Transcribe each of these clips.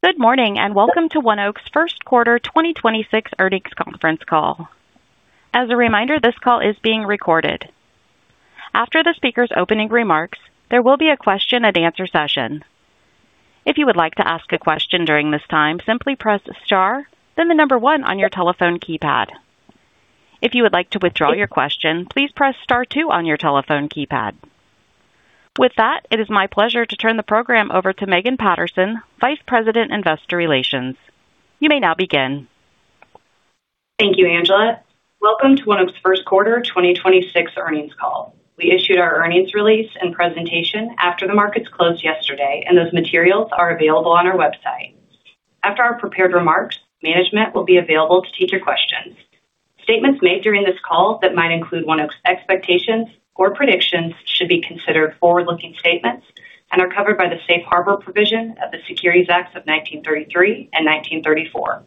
Good morning, and welcome to ONEOK's first quarter 2026 earnings conference call. As a reminder, this call is being recorded. After the speaker's opening remarks, there will be a question and answer session. If you would like to ask a question during this time, simply press star, then one on your telephone keypad. If you would like to withdraw your question, please press star two on your telephone keypad. With that, it is my pleasure to turn the program over to Megan Patterson, Vice President, Investor Relations. You may now begin. Thank you, Angela. Welcome to ONEOK's first quarter 2026 earnings call. We issued our earnings release and presentation after the markets closed yesterday, and those materials are available on our website. After our prepared remarks, management will be available to take your questions. Statements made during this call that might include ONEOK's expectations or predictions should be considered forward-looking statements and are covered by the safe harbor provision of the Securities Acts of 1933 and 1934.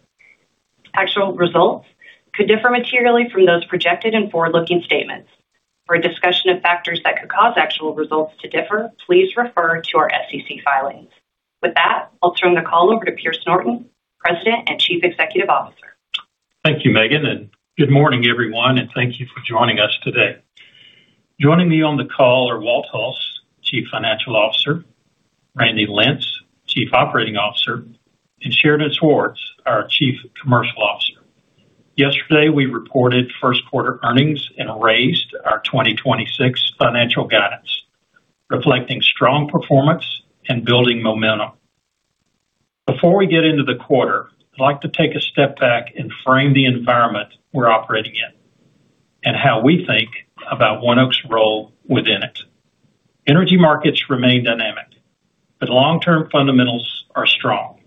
Actual results could differ materially from those projected in forward-looking statements. For a discussion of factors that could cause actual results to differ, please refer to our SEC filings. With that, I'll turn the call over to Pierce Norton, President and Chief Executive Officer. Thank you, Megan, good morning, everyone, thank you for joining us today. Joining me on the call are Walt Hulse, Chief Financial Officer, Randy Lentz, Chief Operating Officer, and Sheridan Swords, our Chief Commercial Officer. Yesterday, we reported first quarter earnings and raised our 2026 financial guidance, reflecting strong performance and building momentum. Before we get into the quarter, I'd like to take a step back and frame the environment we're operating in and how we think about ONEOK's role within it. Energy markets remain dynamic. Long-term fundamentals are strong.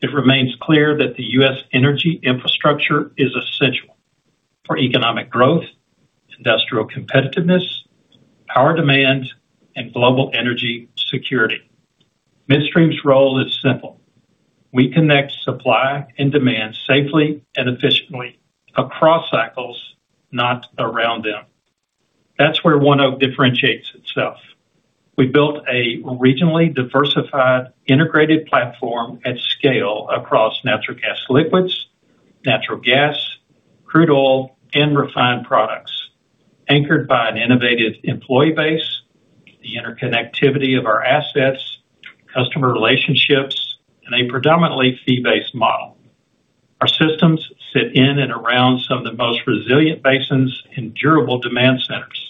It remains clear that the U.S., energy infrastructure is essential for economic growth, industrial competitiveness, power demand, and global energy security. Midstream's role is simple. We connect supply and demand safely and efficiently across cycles, not around them. That's where ONEOK differentiates itself. We built a regionally diversified, integrated platform at scale across natural gas liquids, natural gas, crude oil, and refined products, anchored by an innovative employee base, the interconnectivity of our assets, customer relationships, and a predominantly fee-based model. Our systems sit in and around some of the most resilient basins and durable demand centers,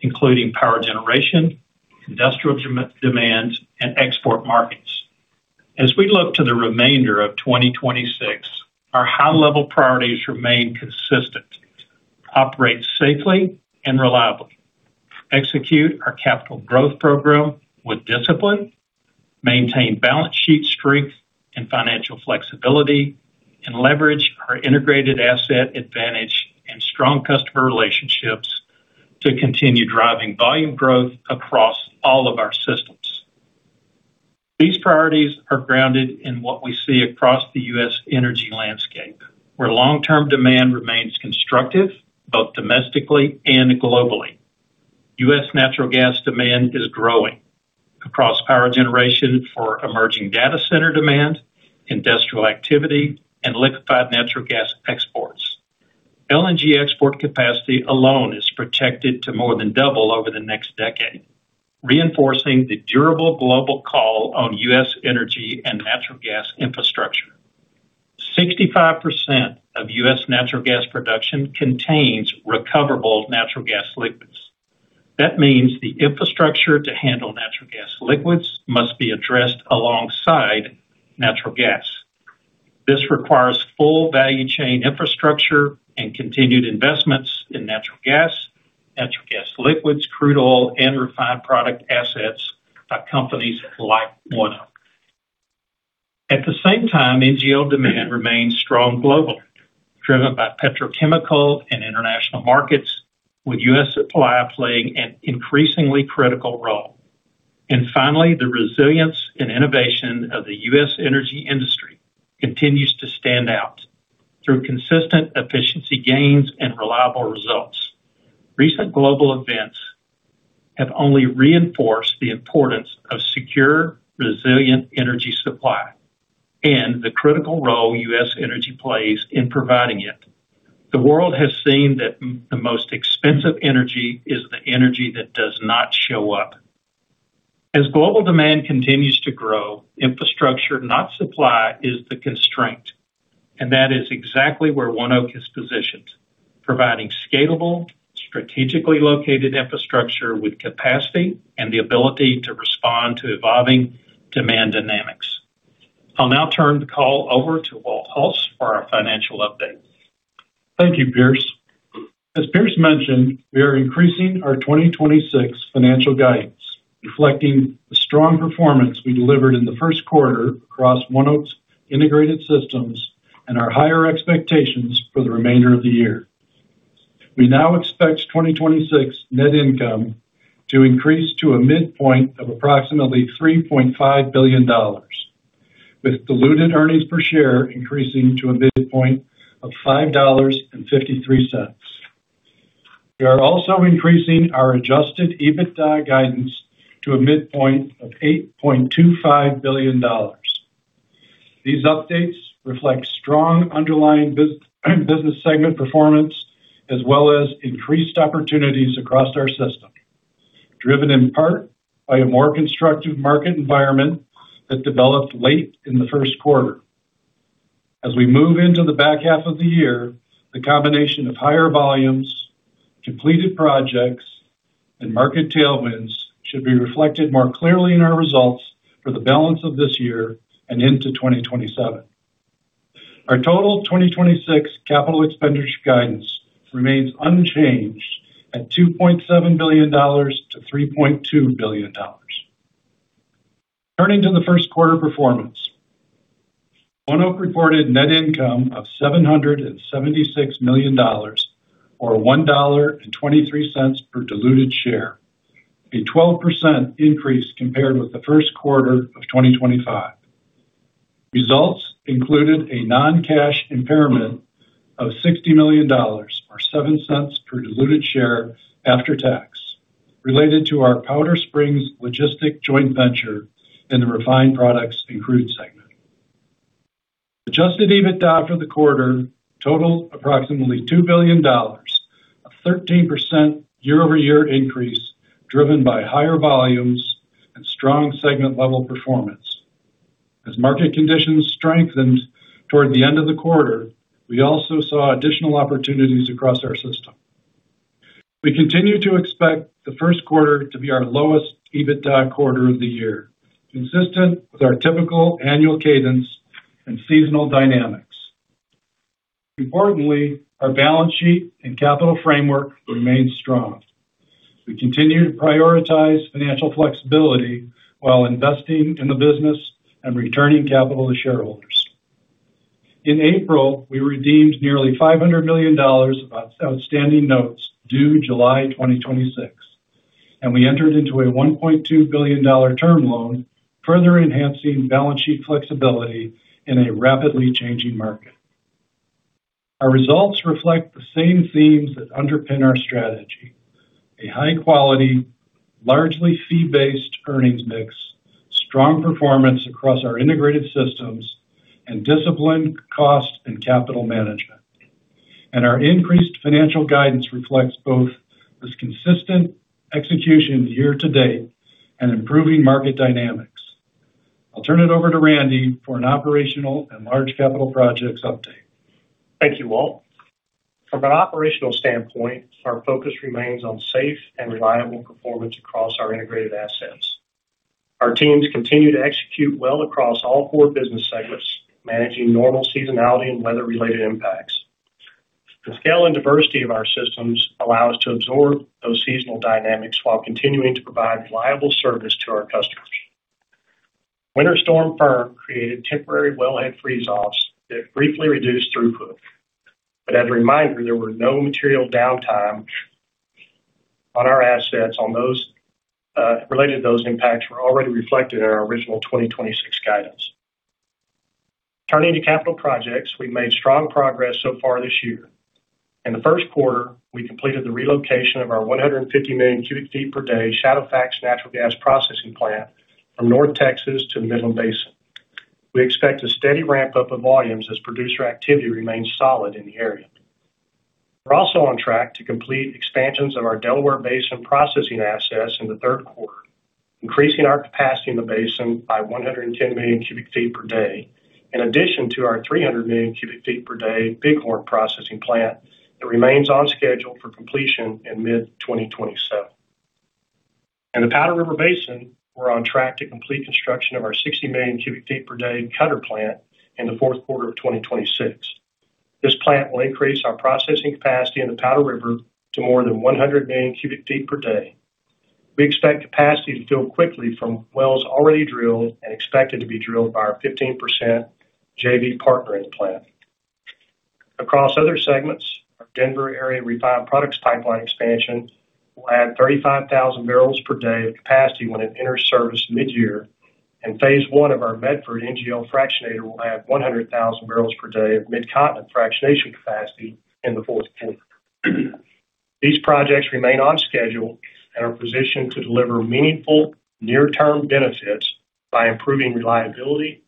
including power generation, industrial demand, and export markets. As we look to the remainder of 2026, our high level priorities remain consistent. Operate safely and reliably. Execute our capital growth program with discipline. Maintain balance sheet strength and financial flexibility. Leverage our integrated asset advantage and strong customer relationships to continue driving volume growth across all of our systems. These priorities are grounded in what we see across the U.S., energy landscape, where long-term demand remains constructive, both domestically and globally. U.S., natural gas demand is growing across power generation for emerging data center demand, industrial activity, and liquefied natural gas exports. LNG export capacity alone is projected to more than double over the next decade, reinforcing the durable global call on U.S., energy and natural gas infrastructure. 65% of U.S., natural gas production contains recoverable natural gas liquids. That means the infrastructure to handle natural gas liquids must be addressed alongside natural gas. This requires full value chain infrastructure and continued investments in natural gas, natural gas liquids, crude oil, and refined product assets of companies like ONEOK. At the same time, NGL demand remains strong globally, driven by petrochemical and international markets, with U.S., supply playing an increasingly critical role. Finally, the resilience and innovation of the U.S., energy industry continues to stand out through consistent efficiency gains and reliable results. Recent global events have only reinforced the importance of secure, resilient energy supply and the critical role U.S., energy plays in providing it. The world has seen that the most expensive energy is the energy that does not show up. As global demand continues to grow, infrastructure, not supply, is the constraint. That is exactly where ONEOK is positioned, providing scalable, strategically located infrastructure with capacity and the ability to respond to evolving demand dynamics. I'll now turn the call over to Walt Hulse for our financial update. Thank you, Pierce. As Pierce mentioned, we are increasing our 2026 financial guidance, reflecting the strong performance we delivered in the first quarter across ONEOK's integrated systems and our higher expectations for the remainder of the year. We now expect 2026 net income to increase to a midpoint of approximately $3.5 billion, with diluted earnings per share increasing to a midpoint of $5.53. We are also increasing our adjusted EBITDA guidance to a midpoint of $8.25 billion. These updates reflect strong underlying business segment performance, as well as increased opportunities across our system, driven in part by a more constructive market environment that developed late in the first quarter. As we move into the back half of the year, the combination of higher volumes, completed projects, and market tailwinds should be reflected more clearly in our results for the balance of this year and into 2027. Our total 2026 CapEx guidance remains unchanged at $2.7 billion-$3.2 billion. Turning to the first quarter performance. ONEOK reported net income of $776 million or $1.23 per diluted share, a 12% increase compared with the first quarter of 2025. Results included a non-cash impairment of $60 million or $0.07 per diluted share after tax, related to our Powder Springs Logistics joint venture in the refined products and crude segment. Adjusted EBITDA for the quarter totaled approximately $2 billion, a 13% year-over-year increase driven by higher volumes and strong segment-level performance. As market conditions strengthened toward the end of the quarter, we also saw additional opportunities across our system. We continue to expect the first quarter to be our lowest EBITDA quarter of the year, consistent with our typical annual cadence and seasonal dynamics. Importantly, our balance sheet and capital framework remains strong. We continue to prioritize financial flexibility while investing in the business and returning capital to shareholders. In April, we redeemed nearly $500 million of outstanding notes due July 2026, and we entered into a $1.2 billion term loan, further enhancing balance sheet flexibility in a rapidly changing market. Our results reflect the same themes that underpin our strategy: a high quality, largely fee-based earnings mix, strong performance across our integrated systems, and disciplined cost and capital management. Our increased financial guidance reflects both this consistent execution year-to-date and improving market dynamics. I'll turn it over to Randy for an operational and large capital projects update. Thank you, Walt. From an operational standpoint, our focus remains on safe and reliable performance across our integrated assets. Our teams continue to execute well across all four business segments, managing normal seasonality and weather-related impacts. The scale and diversity of our systems allow us to absorb those seasonal dynamics while continuing to provide reliable service to our customers. Winter Storm Finn created temporary wellhead freeze-offs that briefly reduced throughput. As a reminder, there were no material downtime on our assets on those related to those impacts were already reflected in our original 2026 guidance. Turning to capital projects, we've made strong progress so far this year. In the first quarter, we completed the relocation of our 150 million cubic feet per day Shadowfax Natural Gas Processing Plant from North Texas to the Midland Basin. We expect a steady ramp-up of volumes as producer activity remains solid in the area. We're also on track to complete expansions of our Delaware Basin processing assets in the third quarter, increasing our capacity in the basin by 110 million cubic feet per day, in addition to our 300 million cubic feet per day Bighorn Processing Plant that remains on schedule for completion in mid-2027. In the Powder River Basin, we're on track to complete construction of our 60 million cubic feet per day Cutter in the fourth quarter of 2026. This plant will increase our processing capacity in the Powder River to more than 100 million cubic feet per day. We expect capacity to fill quickly from wells already drilled and expected to be drilled by our 15% JV partner in the plant. Across other segments, our Denver area refined products pipeline expansion will add 35,000 barrels per day of capacity when it enters service mid-year, and phase one of our Medford NGL Fractionator will add 100,000 barrels per day of mid-continent fractionation capacity in the fourth quarter. These projects remain on schedule and are positioned to deliver meaningful near-term benefits by improving reliability,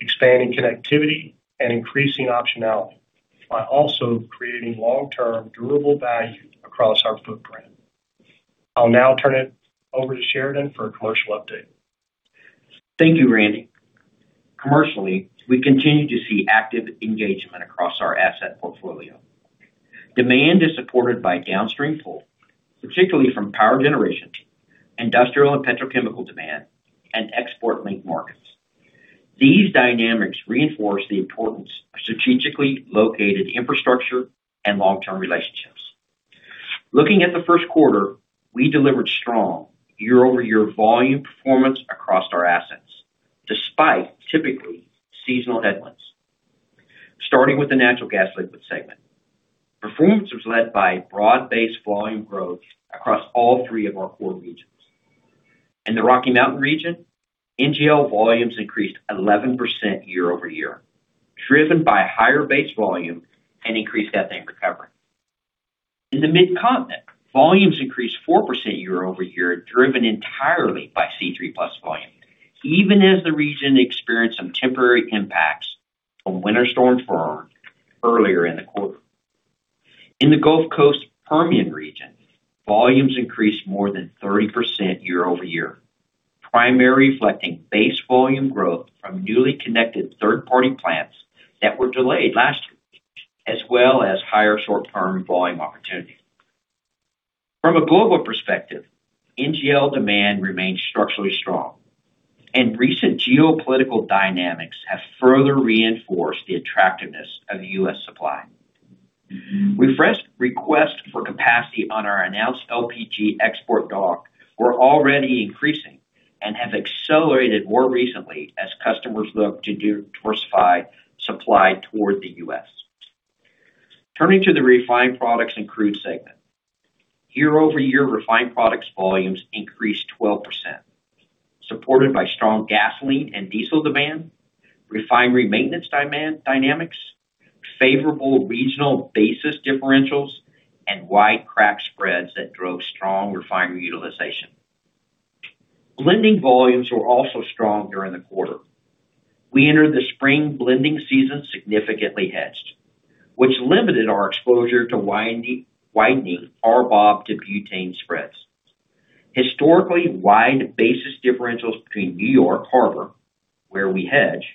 expanding connectivity, and increasing optionality, while also creating long-term durable value across our footprint. I'll now turn it over to Sheridan for a commercial update. Thank you, Randy. Commercially, we continue to see active engagement across our asset portfolio. Demand is supported by downstream pull, particularly from power generation, industrial and petrochemical demand, and export-linked markets. These dynamics reinforce the importance of strategically located infrastructure and long-term relationships. Looking at the first quarter, we delivered strong year-over-year volume performance across our assets, despite typically seasonal headwinds. Starting with the natural gas liquid segment. Performance was led by broad-based volume growth across all three of our core regions. In the Rocky Mountain region, NGL volumes increased 11% year-over-year, driven by higher base volume and increased ethane recovery. In the Mid-Continent, volumes increased 4% year-over-year, driven entirely by C3+ volume, even as the region experienced some temporary impacts from Winter Storm Fern earlier in the quarter. In the Gulf Coast Permian region, volumes increased more than 30% year-over-year, primarily reflecting base volume growth from newly connected third-party plants that were delayed last year, as well as higher short-term volume opportunity. From a global perspective, NGL demand remains structurally strong, and recent geopolitical dynamics have further reinforced the attractiveness of U.S., supply. Refresh requests for capacity on our announced LPG export dock were already increasing and have accelerated more recently as customers look to diversify supply toward the U.S. Turning to the refined products and crude segment. Year-over-year refined products volumes increased 12%, supported by strong gasoline and diesel demand, refinery maintenance dynamics, favorable regional basis differentials, and wide crack spreads that drove strong refinery utilization. Blending volumes were also strong during the quarter. We entered the spring blending season significantly hedged, which limited our exposure to widening RBOB to butane spreads. Historically wide basis differentials between New York Harbor, where we hedge,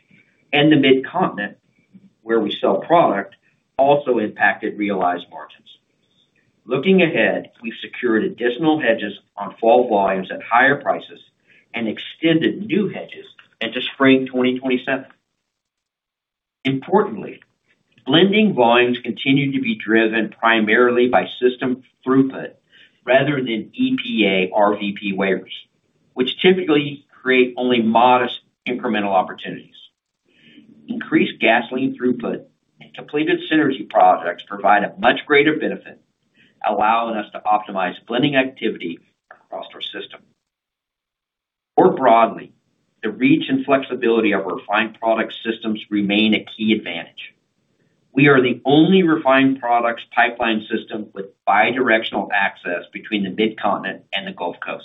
and the Mid-Continent, where we sell product, also impacted realized margins. Looking ahead, we've secured additional hedges on fall volumes at higher prices and extended new hedges into spring 2027. Importantly, blending volumes continue to be driven primarily by system throughput rather than EPA RVP waivers, which typically create only modest incremental opportunities. Increased gasoline throughput and completed synergy projects provide a much greater benefit, allowing us to optimize blending activity across our system. More broadly, the reach and flexibility of refined product systems remain a key advantage. We are the only refined products pipeline system with bi-directional access between the Mid-Continent and the Gulf Coast,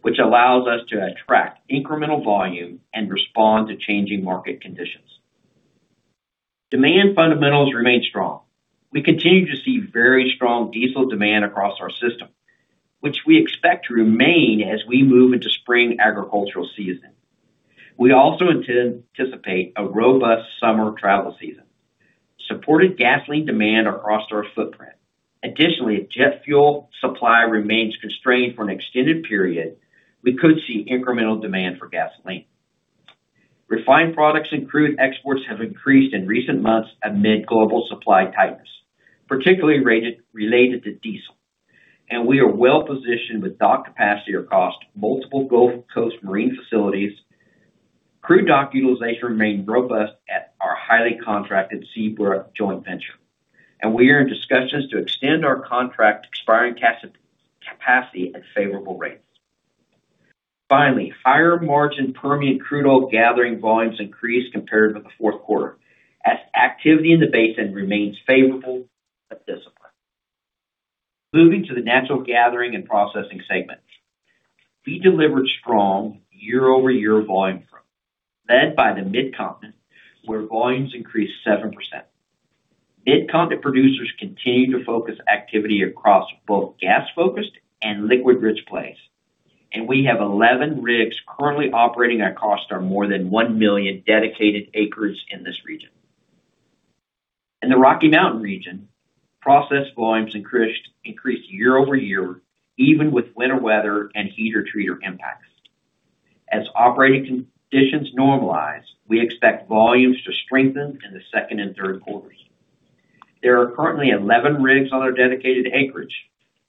which allows us to attract incremental volume and respond to changing market conditions. Demand fundamentals remain strong. We continue to see very strong diesel demand across our system, which we expect to remain as we move into spring agricultural season. We also anticipate a robust summer travel season, supported gasoline demand across our footprint. Additionally, if jet fuel supply remains constrained for an extended period, we could see incremental demand for gasoline. Refined products and crude exports have increased in recent months amid global supply tightness, particularly related to diesel, and we are well positioned with dock capacity across multiple Gulf Coast marine facilities. Crude dock utilization remained robust at our highly contracted Seabrook joint venture, and we are in discussions to extend our contract expiring capacity at favorable rates. Finally, higher margin Permian crude oil gathering volumes increased compared with the fourth quarter as activity in the basin remains favorable but disciplined. Moving to the Natural Gathering and Processing Segment. We delivered strong year-over-year volume growth, led by the Mid-Continent, where volumes increased 7%. Mid-Continent producers continue to focus activity across both gas-focused and liquid-rich plays, and we have 11 rigs currently operating at cost on more than 1 million dedicated acres in this region. In the Rocky Mountain region, processed volumes increased year-over-year, even with winter weather and heater treater impacts. As operating conditions normalize, we expect volumes to strengthen in the second and third quarters. There are currently 11 rigs on our dedicated acreage,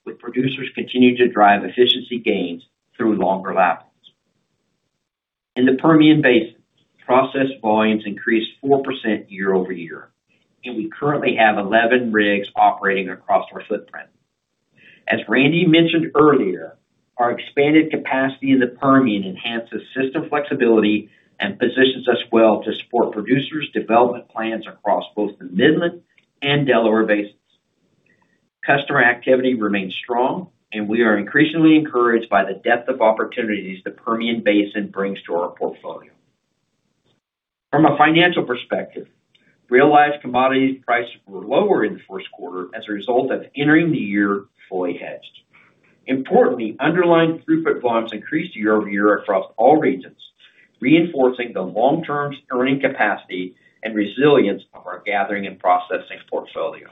with producers continuing to drive efficiency gains through longer laterals. In the Permian Basin, processed volumes increased 4% year-over-year, and we currently have 11 rigs operating across our footprint. As Randy mentioned earlier, our expanded capacity in the Permian enhances system flexibility and positions us well to support producers' development plans across both the Midland and Delaware Basins. Customer activity remains strong, and we are increasingly encouraged by the depth of opportunities the Permian Basin brings to our portfolio. From a financial perspective, realized commodity prices were lower in the first quarter as a result of entering the year fully hedged. Importantly, underlying throughput volumes increased year-over-year across all regions, reinforcing the long-term earning capacity and resilience of our gathering and processing portfolio.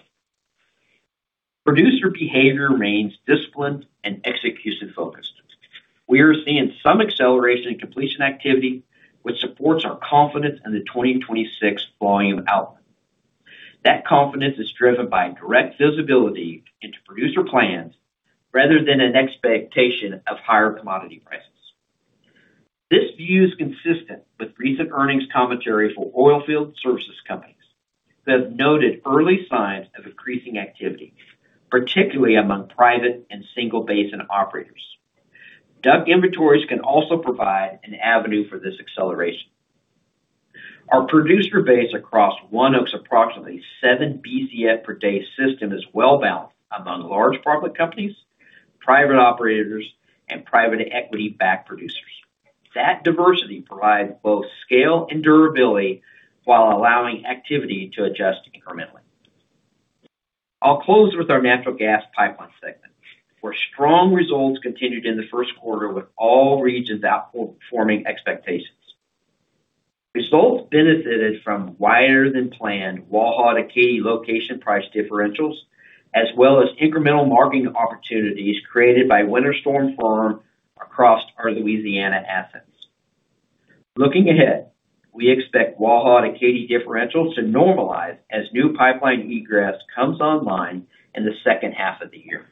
Producer behavior remains disciplined and execution-focused. We are seeing some acceleration in completion activity, which supports our confidence in the 2026 volume outlook. That confidence is driven by direct visibility into producer plans rather than an expectation of higher commodity prices. This view is consistent with recent earnings commentary for oil field services companies that have noted early signs of increasing activity, particularly among private and single basin operators. DUC inventories can also provide an avenue for this acceleration. Our producer base across ONEOK's approximately seven BCF per day system is well-balanced among large public companies, private operators, and private equity-backed producers. That diversity provides both scale and durability while allowing activity to adjust incrementally. I'll close with our natural gas pipeline segment, where strong results continued in the first quarter with all regions outperforming expectations. Results benefited from wider than planned Waha to Katy location price differentials, as well as incremental marketing opportunities created by Winter Storm Fern across our Louisiana assets. Looking ahead, we expect Waha to Katy differential to normalize as new pipeline egress comes online in the second half of the year.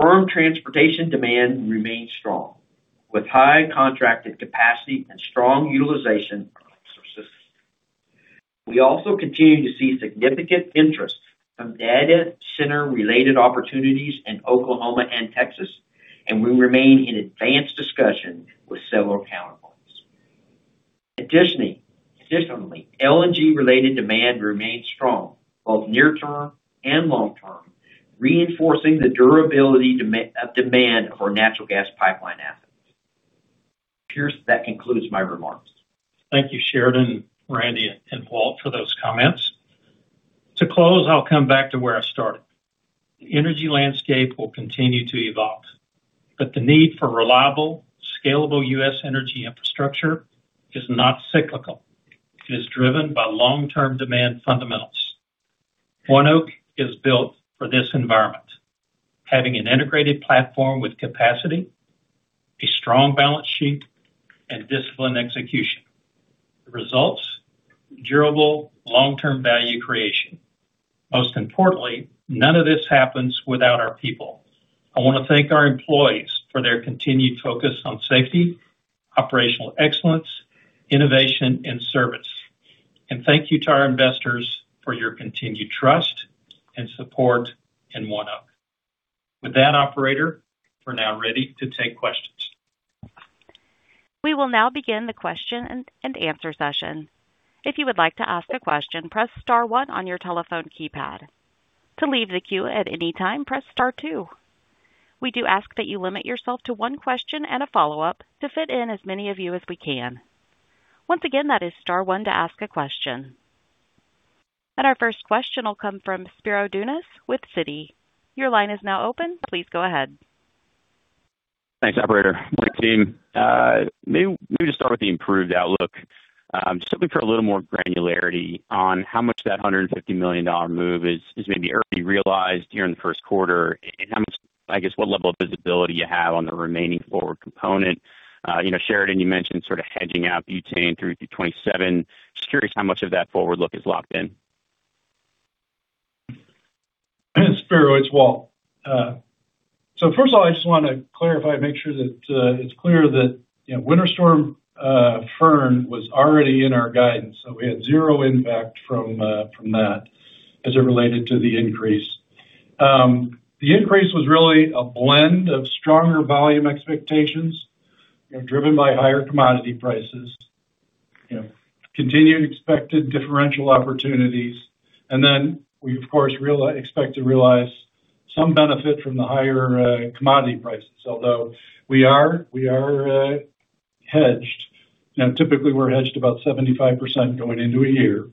Firm transportation demand remains strong, with high contracted capacity and strong utilization across our system. We also continue to see significant interest from data center-related opportunities in Oklahoma and Texas, and we remain in advanced discussion with several counterparts. Additionally, LNG-related demand remains strong, both near term and long term, reinforcing the durability of demand for natural gas pipeline assets. Pierce, that concludes my remarks. Thank you, Sheridan, Randy, and Walt, for those comments. To close, I'll come back to where I started. The energy landscape will continue to evolve, but the need for reliable, scalable U.S., energy infrastructure is not cyclical. It is driven by long-term demand fundamentals. ONEOK is built for this environment, having an integrated platform with capacity, a strong balance sheet, and disciplined execution. The results, durable long-term value creation. Most importantly, none of this happens without our people. I want to thank our employees for their continued focus on safety, operational excellence, innovation and service. Thank you to our investors for your continued trust and support in ONEOK. With that, Operator, we're now ready to take questions. We will now begin the question and answer session. If you would like to ask a question, press star one on your telephone keypad. To leave the queue at any time, press star two. We do ask that you limit yourself to one question and a follow-up to fit in as many of you as we can. Once again, that is star one to ask a question. Our first question will come from Spiro Dounis with Citi. Your line is now open. Please go ahead. Thanks, Operator. Good morning, team. Maybe just start with the improved outlook. Just looking for a little more granularity on how much that $150 million move is maybe already realized here in the first quarter, and how much, I guess, what level of visibility you have on the remaining forward component. You know, Sheridan, you mentioned sort of hedging out butane through to 2027. Just curious how much of that forward look is locked in. Spiro, it's Walt. First of all, I just want to clarify, make sure that it's clear that, you know, Winter Storm Fern was already in our guidance, so we had zero impact from that as it related to the increase. The increase was really a blend of stronger volume expectations, you know, driven by higher commodity prices, you know, continued expected differential opportunities. We, of course, expect to realize some benefit from the higher commodity prices, although we are hedged. You know, typically we're hedged about 75% going into a year.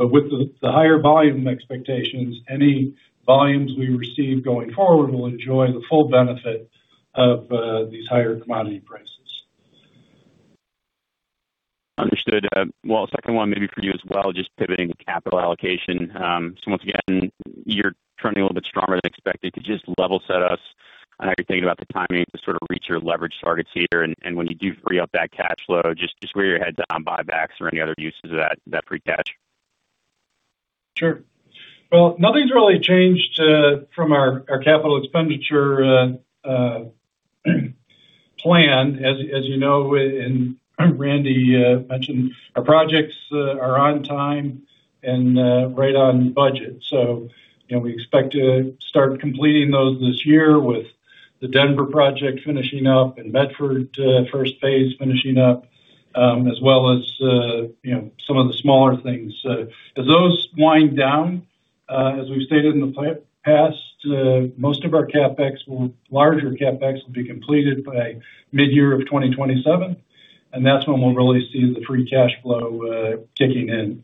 With the higher volume expectations, any volumes we receive going forward will enjoy the full benefit of these higher commodity prices. Understood. Walt, second one maybe for you as well, just pivoting to capital allocation. Once again, you're trending a little bit stronger than expected. Could you just level set us on how you're thinking about the timing to sort of reach your leverage targets here? When you do free up that cash flow, just where your head's at on buybacks or any other uses of that free cash? Sure. Nothing's really changed from our capital expenditure plan. As you know, and Randy mentioned, our projects are on time and right on budget. You know, we expect to start completing those this year with the Denver project finishing up and Medford first phase finishing up, as well as, you know, some of the smaller things. As those wind down, as we've stated in the past, most of our larger CapEx will be completed by midyear of 2027, and that's when we'll really see the free cash flow kicking in.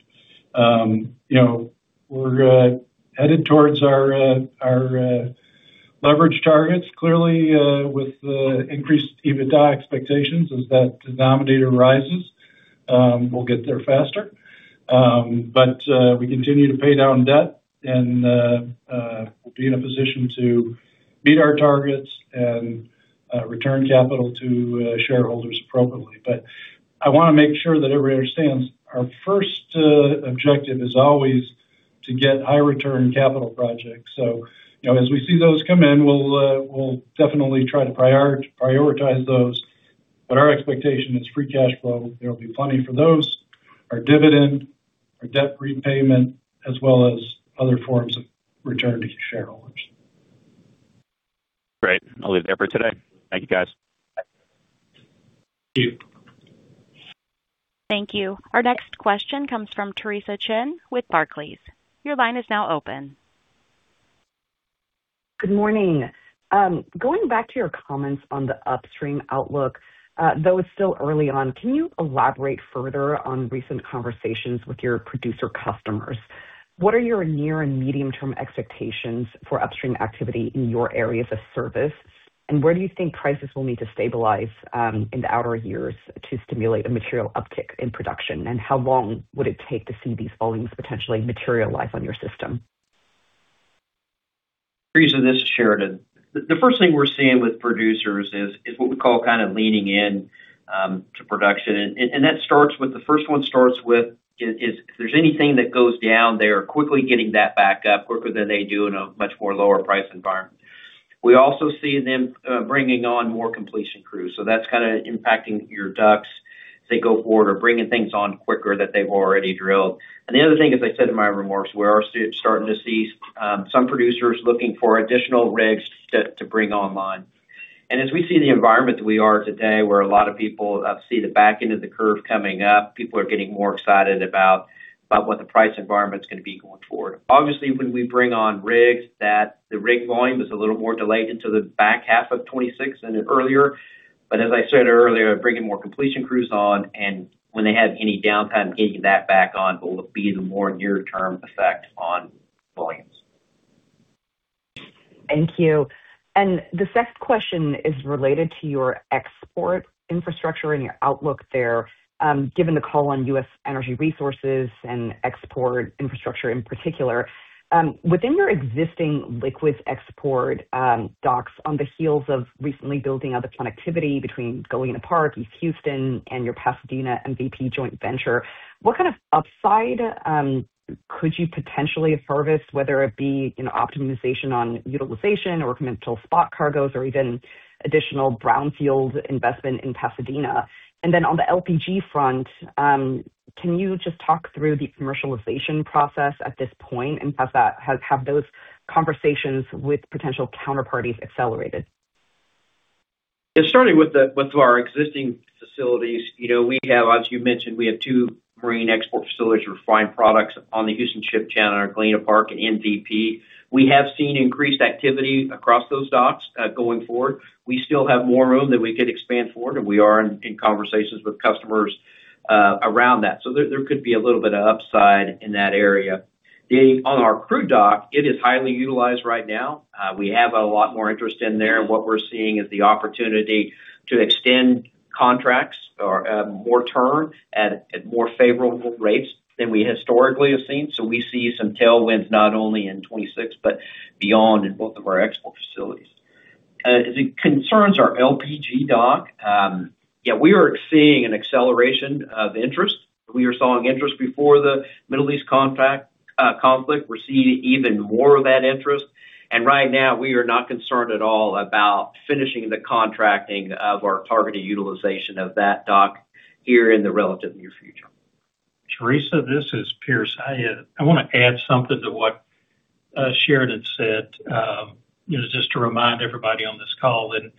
You know, we're headed towards our leverage targets clearly, with the increased EBITDA expectations. As that denominator rises, we'll get there faster. We continue to pay down debt and we'll be in a position to meet our targets and return capital to shareholders appropriately. I wanna make sure that everybody understands our first objective is always. To get high return capital projects. You know, as we see those come in, we'll definitely try to prioritize those, but our expectation is free cash flow. There will be plenty for those. Our dividend, our debt repayment, as well as other forms of return to shareholders. Great. I'll leave it there for today. Thank you, guys. Thank you. Thank you. Our next question comes from Theresa Chen with Barclays. Your line is now open. Good morning. Going back to your comments on the upstream outlook, though it's still early on, can you elaborate further on recent conversations with your producer customers? What are your near and medium-term expectations for upstream activity in your areas of service? Where do you think prices will need to stabilize in the outer years to stimulate a material uptick in production? How long would it take to see these volumes potentially materialize on your system? Theresa, this is Sheridan. The first thing we're seeing with producers is what we call kind of leaning in to production. That starts with the first one is if there's anything that goes down, they are quickly getting that back up quicker than they do in a much more lower price environment. We also see them bringing on more completion crews. That's kinda impacting your DUC as they go forward or bringing things on quicker that they've already drilled. The other thing, as I said in my remarks, we are starting to see some producers looking for additional rigs to bring online. As we see the environment that we are today, where a lot of people see the back end of the curve coming up, people are getting more excited about what the price environment is gonna be going forward. Obviously, when we bring on rigs, that the rig volume is a little more delayed into the back half of 26 than in earlier. As I said earlier, bringing more completion crews on and when they have any downtime, getting that back on will be the more near-term effect on volumes. Thank you. The second question is related to your export infrastructure and your outlook there. Given the call on U.S., energy resources and export infrastructure in particular, within your existing liquids export docks on the heels of recently building out the connectivity between Galena Park, East Houston, and your Pasadena MVP joint venture, what kind of upside could you potentially service, whether it be an optimization on utilization or commercial spot cargoes or even additional brownfield investment in Pasadena? Then on the LPG front, can you just talk through the commercialization process at this point? Have those conversations with potential counterparties accelerated? Yeah, starting with our existing facilities, you know, we have, as you mentioned, we have two marine export facilities for refined products on the Houston Ship Channel, our Galena Park and MVP. We have seen increased activity across those docks going forward. We still have more room that we could expand forward, and we are in conversations with customers around that. There could be a little bit of upside in that area. On our crude dock, it is highly utilized right now. We have a lot more interest in there. What we're seeing is the opportunity to extend contracts or more term at more favorable rates than we historically have seen. We see some tailwinds not only in 26, but beyond in both of our export facilities. as it concerns our LPG dock, yeah, we are seeing an acceleration of interest. We were seeing interest before the Middle East contract conflict. We're seeing even more of that interest. Right now we are not concerned at all about finishing the contracting of our targeted utilization of that dock here in the relative near future. Theresa, this is Pierce Norton. I wanna add something to what Sheridan Swords said. You know, just to remind everybody on this call that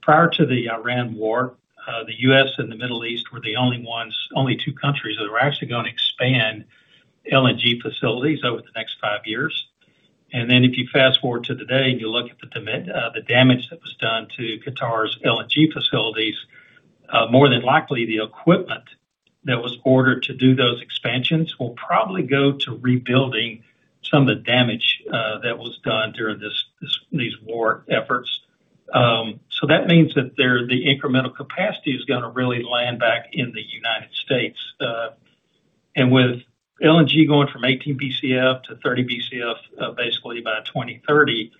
prior to the Iran war, the U.S., and the Middle East were the only ones, only two countries that are actually gonna expand LNG facilities over the next five years. If you fast-forward to today, and you look at the damage that was done to Qatar's LNG facilities, more than likely the equipment that was ordered to do those expansions will probably go to rebuilding some of the damage that was done during these war efforts. That means that the incremental capacity is gonna really land back in the United States. With LNG going from 18 BCF to 30 BCF, basically by 2030,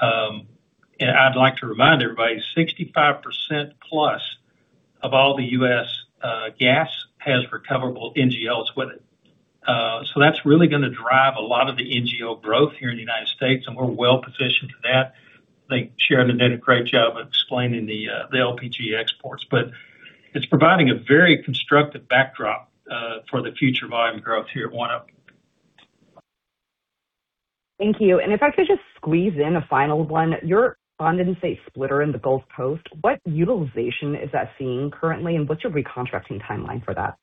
I'd like to remind everybody, 65% plus of all the U.S., gas has recoverable NGLs with it. That's really gonna drive a lot of the NGL growth here in the United States, and we're well-positioned for that. I think Sheridan did a great job of explaining the LPG exports. It's providing a very constructive backdrop for the future volume growth here at ONEOK. Thank you. If I could just squeeze in a final one. Your condensate splitter in the Gulf Coast, what utilization is that seeing currently, and what's your recontracting timeline for that?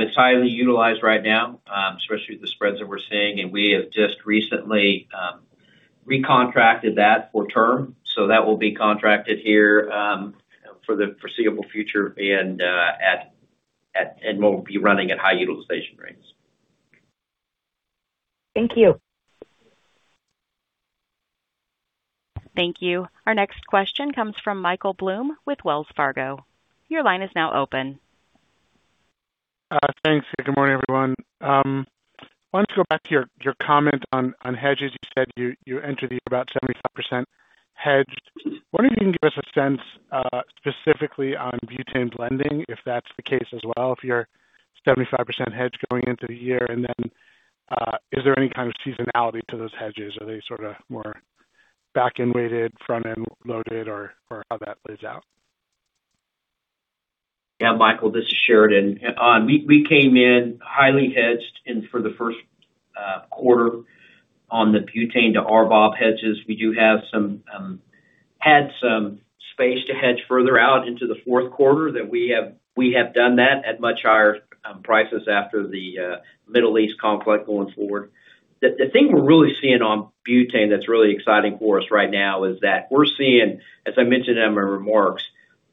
It's highly utilized right now, especially with the spreads that we're seeing, and we have just recently recontracted that for term. That will be contracted here, you know, for the foreseeable future and we'll be running at high utilization rates. Thank you. Thank you. Our next question comes from Michael Blum with Wells Fargo. Your line is now open. Thanks. Good morning, everyone. I wanted to go back to your comment on hedges. You said you entered the about 75% hedged. Wondering if you can give us a sense specifically on butane lending, if that's the case as well, if you're 75% hedged going into the year? Is there any kind of seasonality to those hedges? Are they sort of more back-end weighted, front-end loaded or how that plays out? Yeah, Michael, this is Sheridan. We came in highly hedged and for the first quarter on the butane to RBOB hedges. We do have some, had some space to hedge further out into the fourth quarter that we have done that at much higher prices after the Middle East conflict going forward. The thing we're really seeing on butane that's really exciting for us right now is that we're seeing, as I mentioned in my remarks,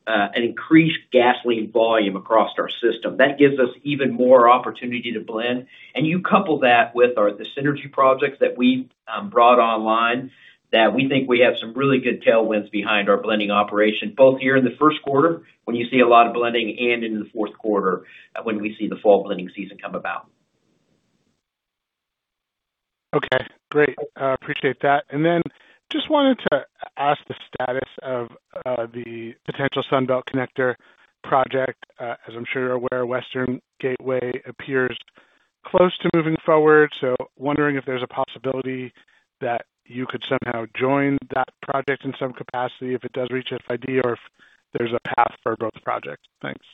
an increased gasoline volume across our system. That gives us even more opportunity to blend. You couple that with the synergy projects that we brought online, that we think we have some really good tailwinds behind our blending operation, both here in the first quarter, when you see a lot of blending, and into the fourth quarter, when we see the fall blending season come about. Okay, great. Appreciate that. Just wanted to ask the status of the potential Sunbelt Connector project. As I'm sure you're aware, Western Gateway appears close to moving forward, wondering if there's a possibility that you could somehow join that project in some capacity if it does reach FID or if there's a path for both projects. Thanks.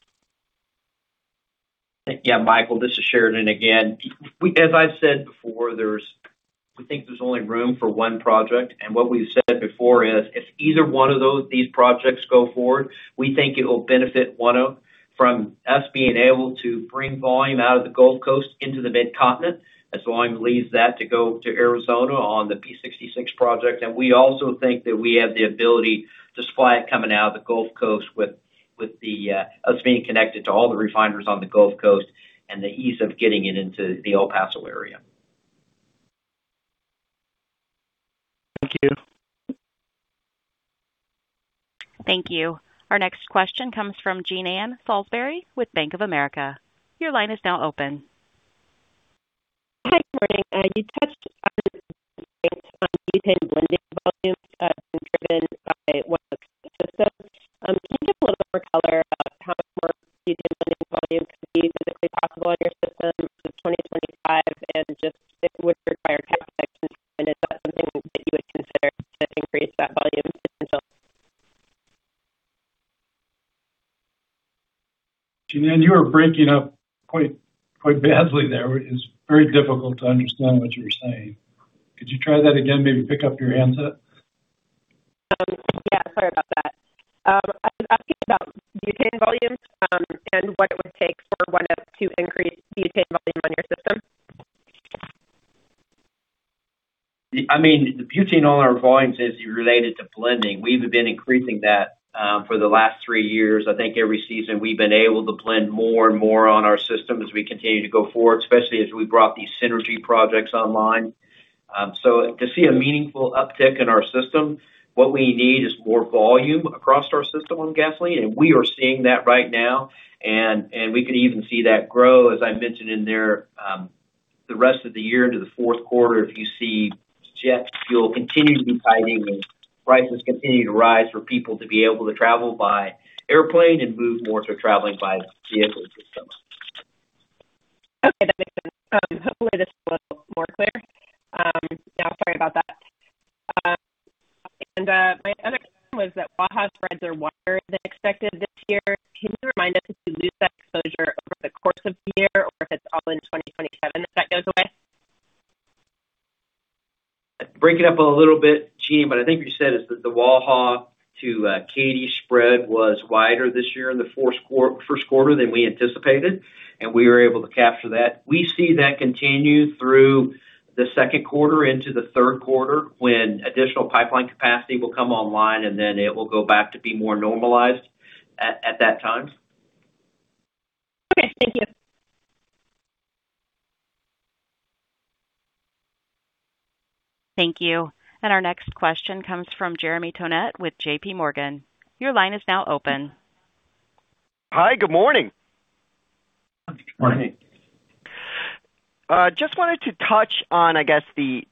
Yeah, Michael, this is Sheridan again. As I've said before, we think there's only room for one project. What we've said before is, if either one of these projects go forward, we think it'll benefit one of from us being able to bring volume out of the Gulf Coast into the mid-continent, as volume leaves that to go to Arizona on the Phillips 66 project. We also think that we have the ability to supply it coming out of the Gulf Coast with the us being connected to all the refiners on the Gulf Coast and the ease of getting it into the El Paso area. Thank you. Thank you. Our next question comes from Jean Ann Salisbury with Bank of America. Your line is now open. Hi, good morning. You touched on butane blending volumes, being driven by one of the systems. Can you give a little more color about how much more butane blending volume could be physically possible on your system in 2025? Just it would require CapEx, and is that something that you would consider to increase that volume potential? Jean Ann, you are breaking up quite badly there. It's very difficult to understand what you were saying. Could you try that again? Maybe pick up your handset. Yeah, sorry about that. I was asking about butane volumes, what it would take for ONEOK to increase butane volume on your system. I mean, the butane on our volumes is related to blending. We've been increasing that for the last three years. I think every season we've been able to blend more and more on our system as we continue to go forward, especially as we brought these synergy projects online. To see a meaningful uptick in our system, what we need is more volume across our system on gasoline, and we are seeing that right now. We could even see that grow, as I mentioned in there, the rest of the year into the fourth quarter if you see jet fuel continue to be pricey, with prices continue to rise for people to be able to travel by airplane and move more to traveling by vehicle system. Okay, that makes sense. Hopefully this is a little more clear. Yeah, sorry about that. My other question was that Waha spreads are wider than expected this year. Can you remind us if you lose that exposure over the course of the year or if it's all in 2027 that that goes away? Breaking up a little bit, Jean, I think you said is that the Waha to Katy spread was wider this year in the first quarter than we anticipated, and we were able to capture that. We see that continue through the second quarter into the third quarter, when additional pipeline capacity will come online, and then it will go back to be more normalized at that time. Okay. Thank you. Thank you. Our next question comes from Jeremy Tonet with JPMorgan. Your line is now open. Hi. Good morning. Good morning. Just wanted to touch on, I guess, the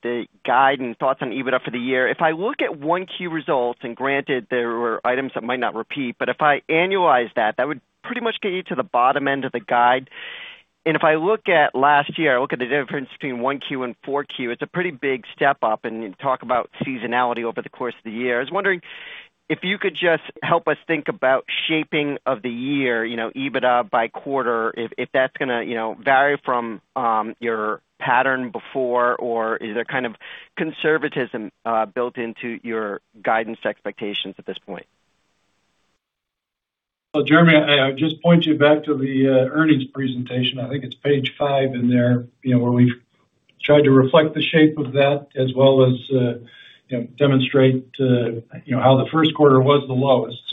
guide and thoughts on EBITDA for the year. If I look at 1Q results, and granted there were items that might not repeat, but if I annualize that would pretty much get you to the bottom end of the guide. If I look at last year, I look at the difference between 1Q and 4Q, it's a pretty big step up, and you talk about seasonality over the course of the year. I was wondering if you could just help us think about shaping of the year, you know, EBITDA by quarter, if that's gonna, you know, vary from your pattern before or is there kind of conservatism built into your guidance expectations at this point? Well, Jeremy, I just point you back to the earnings presentation. I think it's page five in there, you know, where we've tried to reflect the shape of that as well as, you know, demonstrate, you know, how the first quarter was the lowest.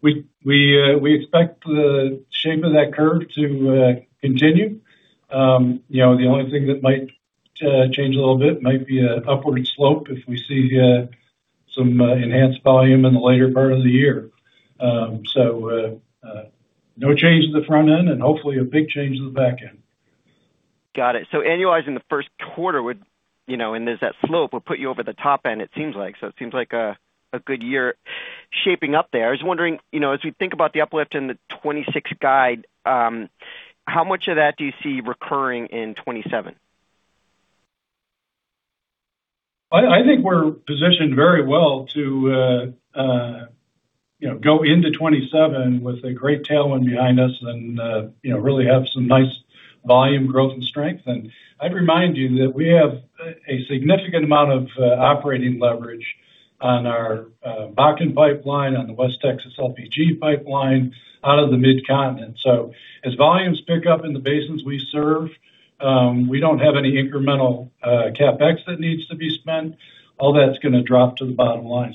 We expect the shape of that curve to continue. You know, the only thing that might change a little bit might be a upward slope if we see some enhanced volume in the later part of the year. No change to the front end and hopefully a big change to the back end. Got it. Annualizing the first quarter would, you know, and there's that slope, would put you over the top end, it seems like. It seems like a good year shaping up there. I was wondering, you know, as we think about the uplift in the 2026 guide, how much of that do you see recurring in 2027? I think we're positioned very well to, you know, go into 2027 with a great tailwind behind us and, you know, really have some nice volume growth and strength. I'd remind you that we have a significant amount of operating leverage on our Bakken pipeline, on the West Texas LPG Pipeline out of the Mid-Continent. As volumes pick up in the basins we serve, we don't have any incremental CapEx that needs to be spent. All that's gonna drop to the bottom line.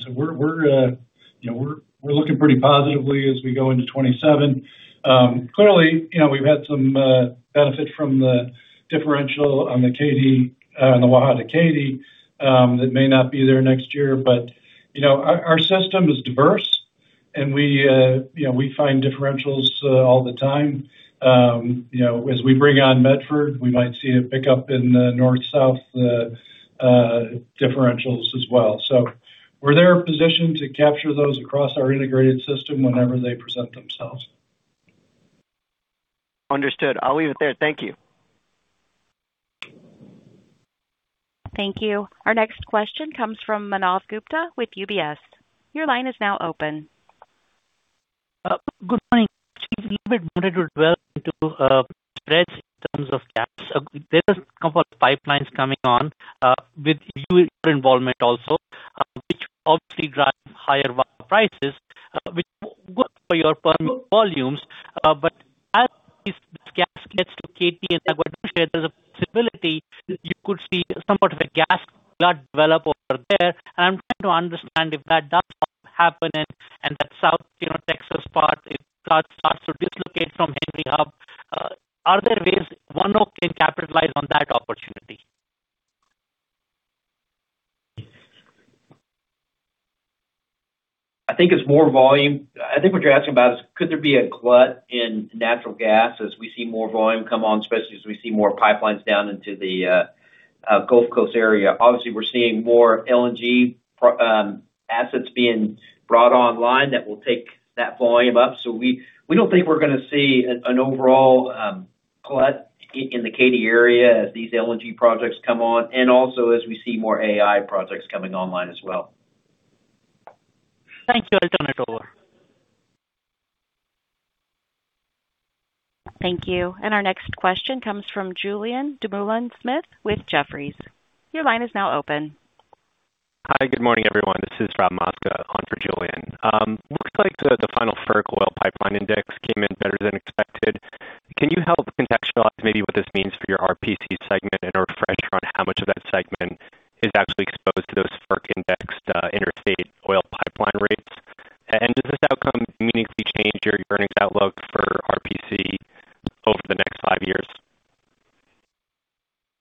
We're looking pretty positively as we go into 2027. Clearly, you know, we've had some benefit from the differential on the Katy, the Waha to Katy, that may not be there next year. You know, our system is diverse, and we, you know, we find differentials all the time. You know, as we bring on Medford, we might see a pickup in the North-South differentials as well. We're there in position to capture those across our integrated system whenever they present themselves. Understood. I'll leave it there. Thank you. Thank you. Our next question comes from Manav Gupta with UBS. Your line is now open. Good morning. Chief, a little bit wanted to dwell into spreads in terms of gaps. There is a couple of pipelines coming on, with you involvement also, which obviously drive higher prices, which good for your per volumes. As this gas gets to Katy and there's a possibility you could see somewhat of a gas glut develop over there. I'm trying to understand if that does happen and that South, you know, Texas part starts to dislocate from Henry Hub, are there ways ONEOK can capitalize on that opportunity? I think it's more volume. I think what you're asking about is could there be a glut in natural gas as we see more volume come on, especially as we see more pipelines down into the Gulf Coast area. Obviously, we're seeing more LNG assets being brought online that will take that volume up. We don't think we're gonna see an overall glut in the Katy area as these LNG projects come on and also as we see more AI projects coming online as well. Thank you. I've done it all. Thank you. Our next question comes from Julien Dumoulin-Smith with Jefferies. Your line is now open. Hi. Good morning, everyone. This is Rob Mosca on for Julien Dumoulin-Smith. looks like the final FERC oil pipeline index came in better than expected. Can you help contextualize maybe what this means for your RPC segment and a refresh on how much of that segment is actually exposed to those FERC indexed interstate oil pipeline rates? Does this outcome meaningfully change your earnings outlook for RPC over the next five years?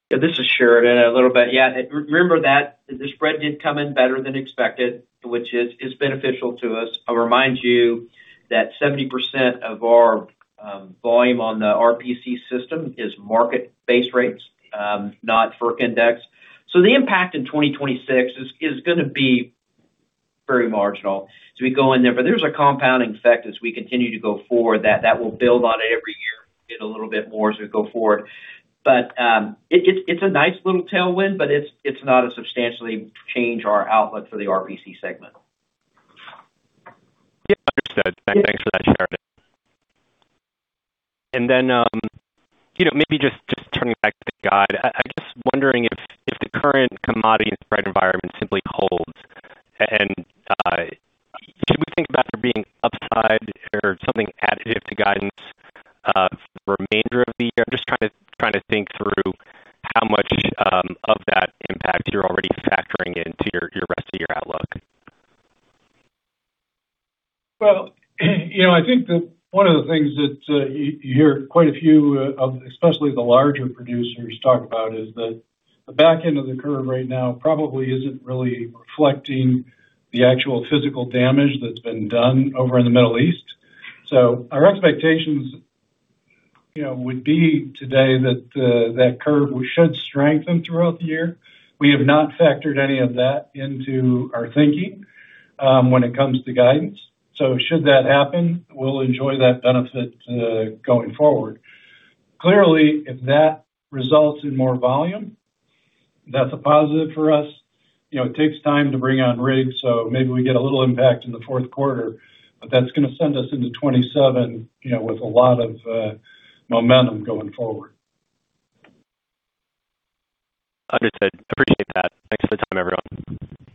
This is Sheridan. A little bit. Remember that the spread did come in better than expected, which is beneficial to us. I'll remind you that 70% of our volume on the RPC system is market-based rates, not FERC indexed. The impact in 2026 is gonna be very marginal as we go in there. There's a compounding effect as we continue to go forward that will build on every year, get a little bit more as we go forward. It's a nice little tailwind, but it's not a substantially change our outlook for the RPC segment. Yeah, understood. Thanks for that, Sheridan. You know, maybe just turning back to the guide. I'm just wondering if the current commodity and spread environment simply holds, should we think about there being upside or something additive to guidance for the remainder of the year? I'm just trying to think through how much of that impact you're already factoring into your rest of your outlook. Well, you know, I think that one of the things that you hear quite a few of, especially the larger producers talk about, is that the back end of the curve right now probably isn't really reflecting the actual physical damage that's been done over in the Middle East. Our expectations, you know, would be today that curve should strengthen throughout the year. We have not factored any of that into our thinking when it comes to guidance. Should that happen, we'll enjoy that benefit going forward. Clearly, if that results in more volume, that's a positive for us. You know, it takes time to bring on rigs, so maybe we get a little impact in the fourth quarter, but that's gonna send us into 2027, you know, with a lot of momentum going forward. Understood. Appreciate that. Thanks for the time, everyone.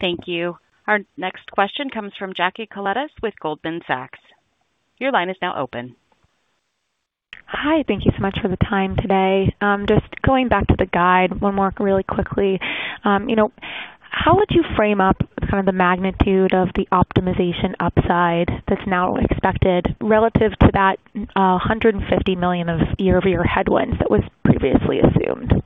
Thank you. Our next question comes from Jackie Koletas with Goldman Sachs. Your line is now open. Hi. Thank you so much for the time today. Just going back to the guide one more really quickly. You know, how would you frame up kind of the magnitude of the optimization upside that's now expected relative to that $150 million of year-over-year headwinds that was previously assumed?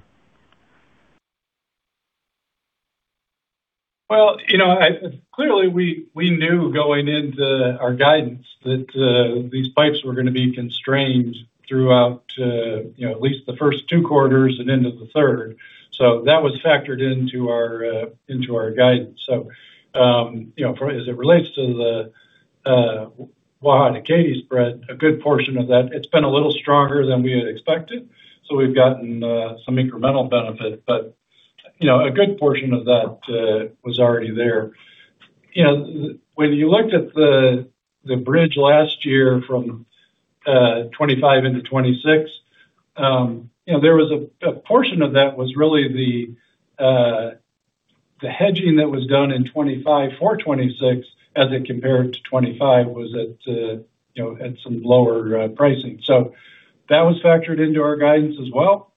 You know, I, clearly, we knew going into our guidance that these pipes were gonna be constrained throughout, you know, at least the first two quarters and into the third. That was factored into our into our guidance. You know, for as it relates to the Waha to Katy spread, a good portion of that, it's been a little stronger than we had expected, so we've gotten some incremental benefit. You know, a good portion of that was already there. You know, when you looked at the bridge last year from 2025 into 2026, you know, there was a portion of that was really the hedging that was done in 2025 for 2026 as it compared to 2025 was at, you know, at some lower pricing. That was factored into our guidance as well.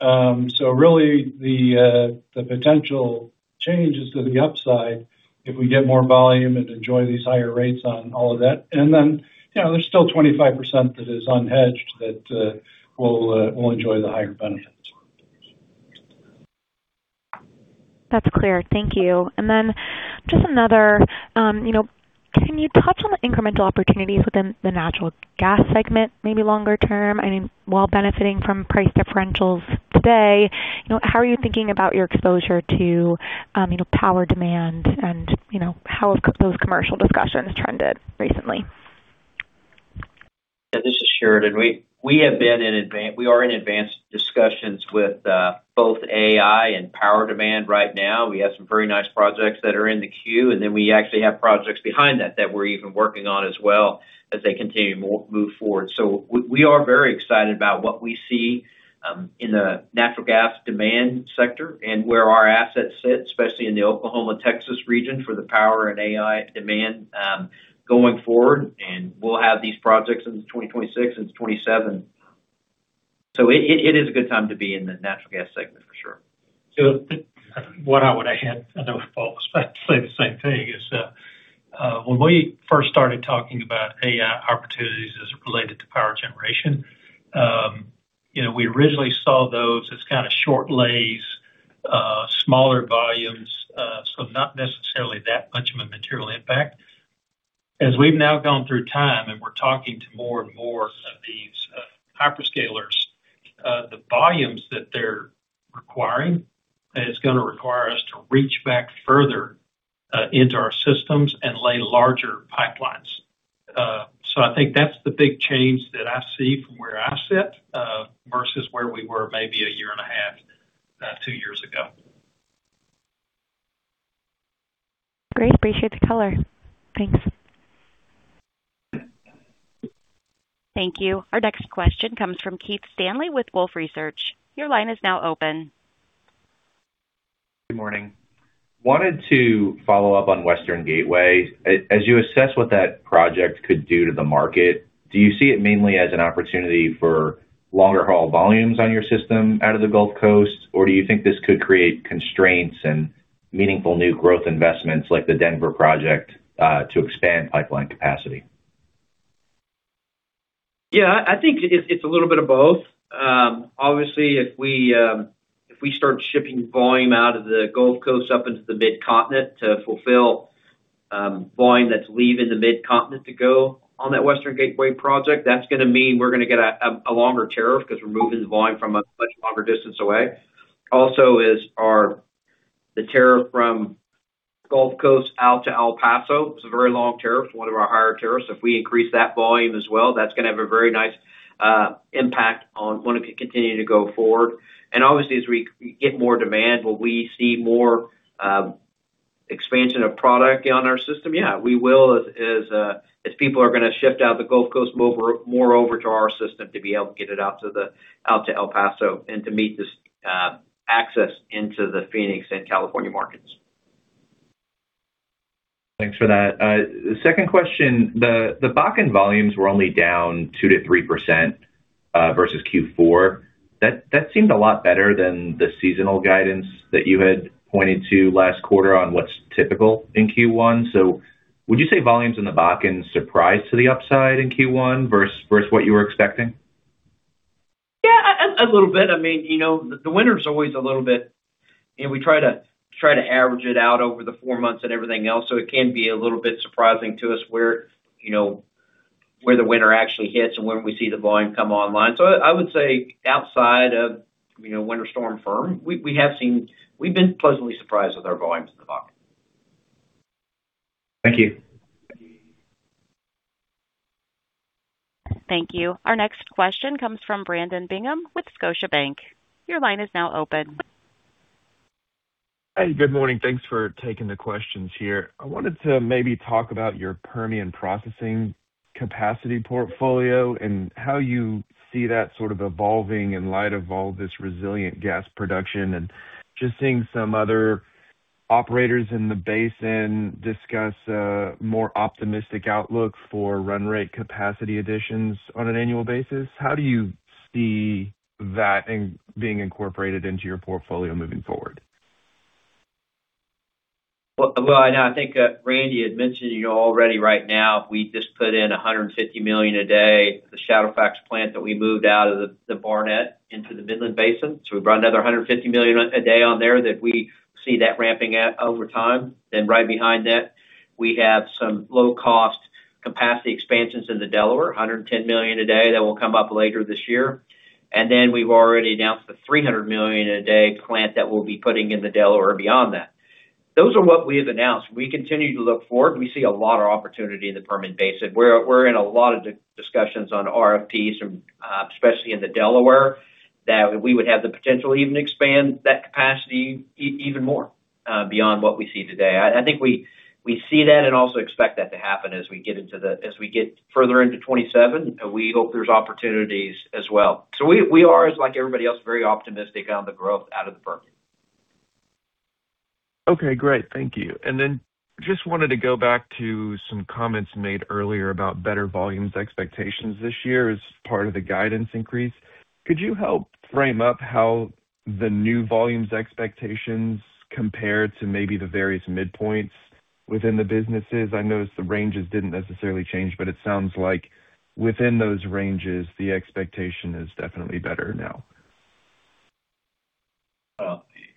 Really the potential changes to the upside if we get more volume and enjoy these higher rates on all of that. Then, you know, there's still 25% that is unhedged that will enjoy the higher benefits. That's clear. Thank you. Then just another, you know, can you touch on the incremental opportunities within the natural gas segment, maybe longer term? I mean, while benefiting from price differentials today, you know, how are you thinking about your exposure to, you know, power demand and, you know, how have those commercial discussions trended recently? Yeah, this is Sheridan. We are in advanced discussions with both AI and power demand right now. We have some very nice projects that are in the queue. We actually have projects behind that we're even working on as well as they continue move forward. We are very excited about what we see in the natural gas demand sector and where our assets sit, especially in the Oklahoma-Texas region for the power and AI demand going forward. We'll have these projects into 2026 into 2027. It is a good time to be in the natural gas segment for sure. What I would add, I know folks like to say the same thing, is, when we first started talking about AI opportunities as related to power generation, you know, we originally saw those as kind of short lays, smaller volumes, so not necessarily that much of a material impact. As we've now gone through time, and we're talking to more and more of these hyperscalers, the volumes that they're requiring is gonna require us to reach back further, into our systems and lay larger pipelines. I think that's the big change that I see from where I sit, versus where we were maybe a year and a half, two years ago. Great. Appreciate the color. Thanks. Thank you. Our next question comes from Keith Stanley with Wolfe Research. Your line is now open. Good morning. Wanted to follow up on Western Gateway. As you assess what that project could do to the market, do you see it mainly as an opportunity for longer haul volumes on your system out of the Gulf Coast? Or do you think this could create constraints and meaningful new growth investments like the Denver project to expand pipeline capacity? Yeah, I think it's a little bit of both. Obviously, if we, if we start shipping volume out of the Gulf Coast up into the Mid-Continent to fulfill, volume that's leaving the Mid-Continent to go on that Western Gateway project, that's gonna mean we're gonna get a longer tariff because we're moving the volume from a much longer distance away. Also the tariff from Gulf Coast out to El Paso. It's a very long tariff, one of our higher tariffs. If we increase that volume as well, that's gonna have a very nice impact on when it can continue to go forward. Obviously, as we get more demand, will we see more expansion of product on our system? Yeah, we will as people are gonna shift out of the Gulf Coast, move more over to our system to be able to get it out to El Paso and to meet this access into the Phoenix and California markets. Thanks for that. Second question. The Bakken volumes were only down 2%-3% versus Q4. That seemed a lot better than the seasonal guidance that you had pointed to last quarter on what's typical in Q1. Would you say volumes in the Bakken surprised to the upside in Q1 versus what you were expecting? Yeah, a little bit. I mean, you know, the winter is always a little bit, you know, we try to average it out over the four months and everything else, it can be a little bit surprising to us where, you know, where the winter actually hits and when we see the volume come online. I would say outside of, you know, Winter Storm Fern, we've been pleasantly surprised with our volumes in the Bakken. Thank you. Thank you. Our next question comes from Brandon Bingham with Scotiabank. Your line is now open. Hey, good morning. Thanks for taking the questions here. I wanted to maybe talk about your Permian processing capacity portfolio and how you see that sort of evolving in light of all this resilient gas production. Just seeing some other operators in the basin discuss a more optimistic outlook for run rate capacity additions on an annual basis. How do you see that being incorporated into your portfolio moving forward? Well, well, I know, I think, Randy had mentioned, you know, already right now we just put in 150 million a day, the Shadowfax plant that we moved out of the Barnett into the Midland Basin. We brought another 150 million a day on there that we see that ramping up over time. Right behind that, we have some low-cost capacity expansions in the Delaware, 110 million a day that will come up later this year. We've already announced the 300 million a day plant that we'll be putting in the Delaware beyond that. Those are what we have announced. We continue to look forward. We see a lot of opportunity in the Permian Basin, where we're in a lot of discussions on RFPs from, especially in the Delaware, that we would have the potential to even expand that capacity even more, beyond what we see today. I think we see that and also expect that to happen as we get further into 2027. We hope there's opportunities as well. We are, as like everybody else, very optimistic on the growth out of the Permian. Okay, great. Thank you. Just wanted to go back to some comments made earlier about better volumes expectations this year as part of the guidance increase. Could you help frame up how the new volumes expectations compare to maybe the various midpoints within the businesses? I noticed the ranges didn't necessarily change, but it sounds like within those ranges, the expectation is definitely better now.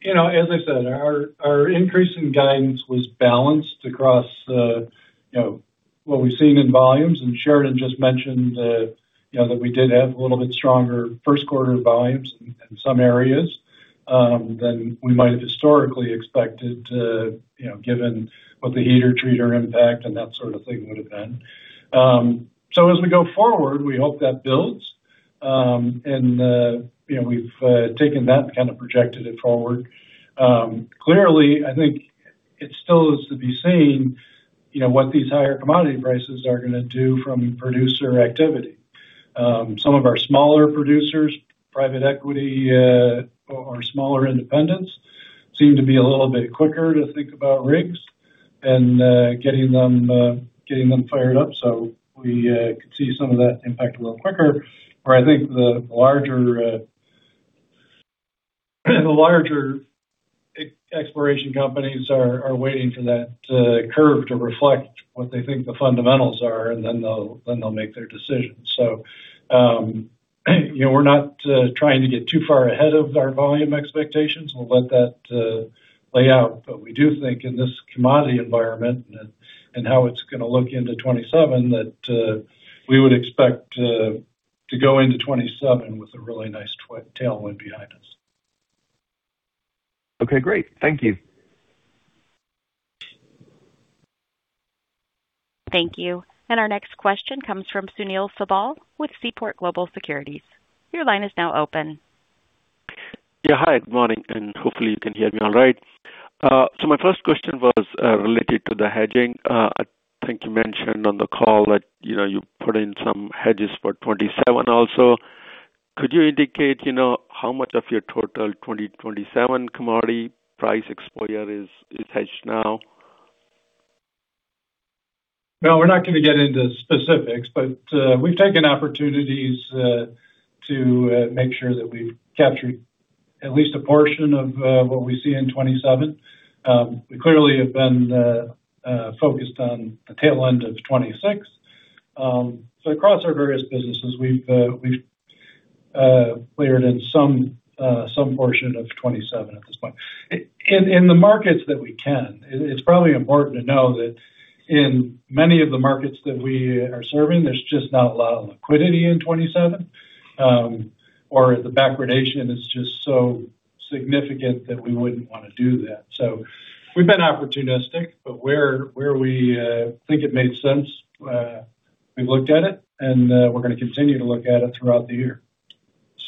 You know, as I said, our increase in guidance was balanced across, you know, what we've seen in volumes, and Sheridan just mentioned that, you know, that we did have a little bit stronger first quarter volumes in some areas, than we might have historically expected to, you know, given what the heater treater impact and that sort of thing would have been. As we go forward, we hope that builds. You know, we've taken that and kind of projected it forward. Clearly, I think it still is to be seen, you know, what these higher commodity prices are going to do from a producer activity. Some of our smaller producers, private equity, or smaller independents seem to be a little bit quicker to think about rigs and getting them fired up. We could see some of that impact a little quicker. Where I think the larger exploration companies are waiting for that curve to reflect what they think the fundamentals are, then they'll make their decisions. You know, we're not trying to get too far ahead of our volume expectations. We'll let that play out. We do think in this commodity environment and how it's gonna look into 2027, that we would expect to go into 2027 with a really nice tailwind behind us. Okay, great. Thank you. Thank you. Our next question comes from Sunil Sibal with Seaport Global Securities. Your line is now open. Yeah. Hi, good morning, and hopefully you can hear me all right. My first question was related to the hedging. I think you mentioned on the call that, you know, you put in some hedges for 2027 also. Could you indicate, you know, how much of your total 2027 commodity price exposure is hedged now? We're not gonna get into specifics, but we've taken opportunities to make sure that we've captured at least a portion of what we see in 2027. We clearly have been focused on the tail end of 2026. Across our various businesses, we've layered in some some portion of 2027 at this point. In the markets that we can, it's probably important to know that in many of the markets that we are serving, there's just not a lot of liquidity in 2027, or the backwardation is just so significant that we wouldn't wanna do that. We've been opportunistic, but where we think it made sense, we've looked at it and we're gonna continue to look at it throughout the year.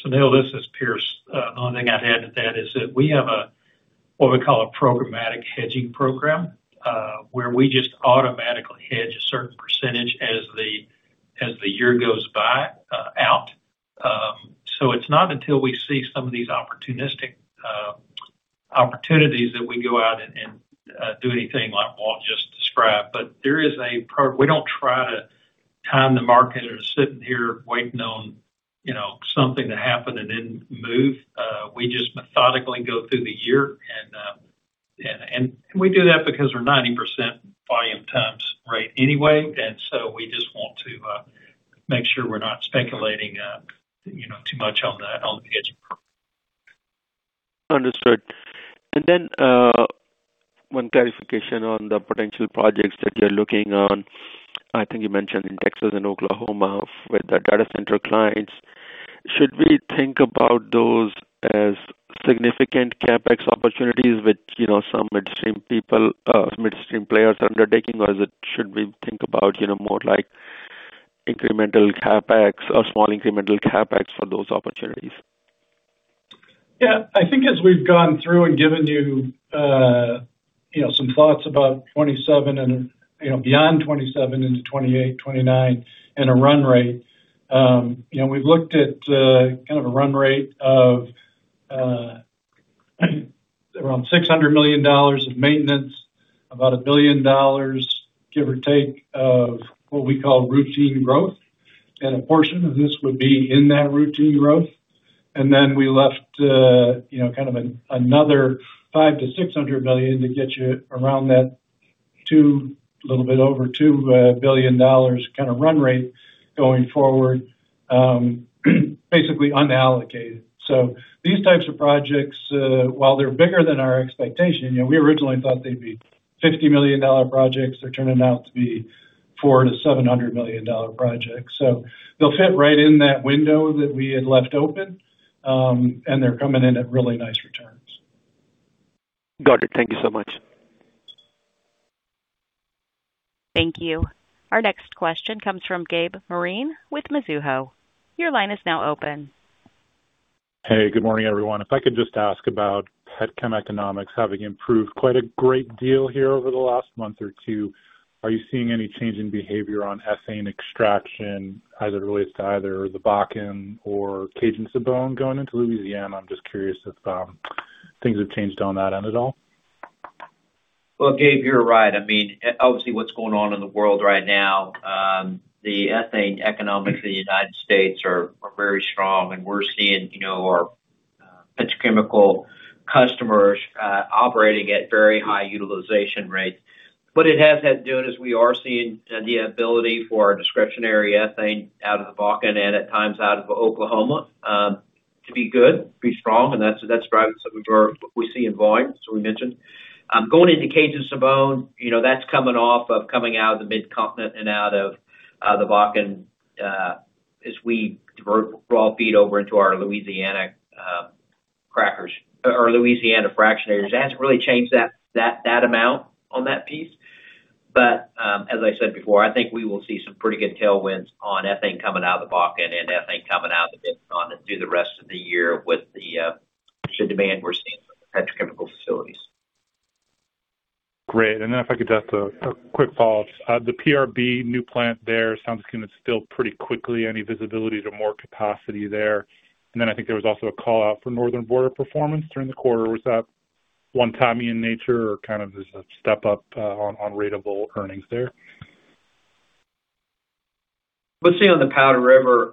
Sunil, this is Pierce. Only thing I'd add to that is that we have a, what we call a programmatic hedging program, where we just automatically hedge a certain percentage as the, as the year goes by, out. It's not until we see some of these opportunistic opportunities that we go out and do anything like Walt just described. There is a we don't try to time the market or sit in here waiting on, you know, something to happen and then move. We just methodically go through the year and we do that because we're 90% volume times rate anyway, we just want to make sure we're not speculating, you know, too much on the hedging program. Understood. One clarification on the potential projects that you're looking on. I think you mentioned in Texas and Oklahoma with the data center clients. Should we think about those as significant CapEx opportunities with, you know, some midstream players undertaking? Or should we think about, you know, more like incremental CapEx or small incremental CapEx for those opportunities? Yeah. I think as we've gone through and given you know, some thoughts about 27 and, you know, beyond 27 into 28, 29 and a run rate, you know, we've looked at kind of a run rate of around $600 million of maintenance, about $1 billion, give or take, of what we call routine growth. A portion of this would be in that routine growth. Then we left, you know, kind of another $500 million-$600 million to get you around that $2 billion, little bit over $2 billion kind of run rate going forward, basically unallocated. These types of projects, while they're bigger than our expectation, you know, we originally thought they'd be $50 million projects. They're turning out to be $400 million-$700 million projects. They'll fit right in that window that we had left open, and they're coming in at really nice returns. Got it. Thank you so much. Thank you. Our next question comes from Gabe Moreen with Mizuho. Hey, good morning, everyone. If I could just ask about pet chem economics having improved quite a great deal here over the last month or two. Are you seeing any change in behavior on ethane extraction as it relates to either the Bakken or Cajun-Sibon going into Louisiana? I'm just curious if things have changed on that end at all. Well, Gabe, you're right. I mean, obviously, what's going on in the world right now, the ethane economics in the United States are very strong, and we're seeing, you know, our petrochemical customers operating at very high utilization rates. But it has had to do it as we are seeing the ability for our discretionary ethane out of the Bakken and at times out of Oklahoma to be strong, and that's driving some of what we see in volume, so we mentioned. Going into Cajun-Sibon, you know, that's coming out of the Midcontinent and out of the Bakken as we divert raw feed over into our Louisiana crackers or Louisiana fractionators. It hasn't really changed that amount on that piece. As I said before, I think we will see some pretty good tailwinds on ethane coming out of the Bakken and ethane coming out of the Midcontinent through the rest of the year with the ship demand we're seeing from the petrochemical facilities. Great. If I could just, a quick follow-up. The PRB new plant there sounds like it's gonna fill pretty quickly. Any visibility to more capacity there? I think there was also a call-out for Northern Border performance during the quarter. Was that one-timey in nature or kind of just a step up, on ratable earnings there? Let's see, on the Powder River,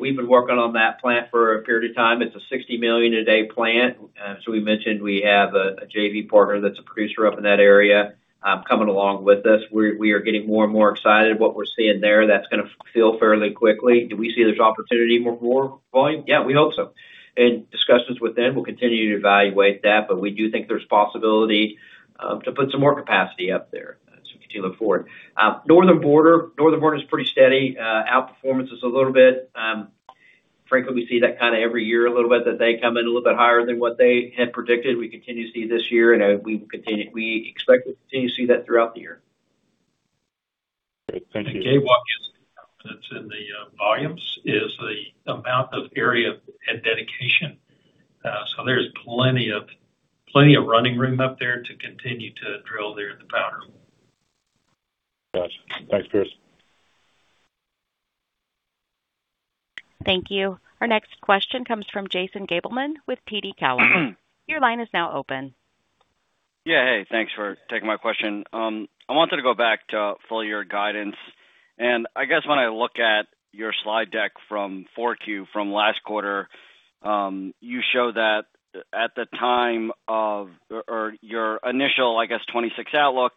we've been working on that plant for a period of time. It's a 60 MMcf/d plant. We mentioned we have a JV partner that's a producer up in that area, coming along with us. We are getting more and more excited what we're seeing there. That's gonna feel fairly quickly. Do we see there's opportunity for more volume? Yeah, we hope so. In discussions with them, we'll continue to evaluate that, but we do think there's possibility to put some more capacity up there, so we continue to look forward. Northern Border. Northern Border is pretty steady. Outperformance is a little bit. Frankly, we see that kind of every year a little bit, that they come in a little bit higher than what they had predicted. We continue to see this year, and we expect to continue to see that throughout the year. Great. Thank you. Gabe, what gives me confidence in the volumes is the amount of area and dedication. There's plenty of running room up there to continue to drill there in the Powder. Gotcha. Thanks, Pierce Norton. Thank you. Our next question comes from Jason Gabelman with TD Cowen. Your line is now open. Yeah. Hey, thanks for taking my question. I wanted to go back to full year guidance. I guess when I look at your slide deck from 4Q from last quarter, you show that at the time of your initial, I guess, 2026 outlook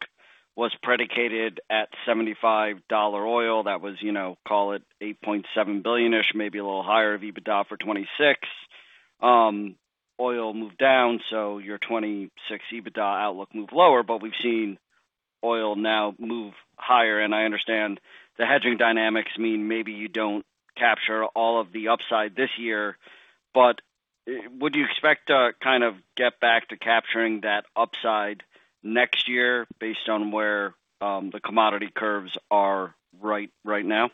was predicated at $75 oil. That was, you know, call it $8.7 billion-ish, maybe a little higher of EBITDA for 2026. Oil moved down, your 2026 EBITDA outlook moved lower. We've seen oil now move higher, I understand the hedging dynamics mean maybe you don't capture all of the upside this year. Would you expect to kind of get back to capturing that upside next year based on where the commodity curves are right now?